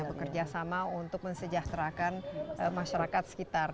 bekerjasama untuk mensejahterakan masyarakat sekitar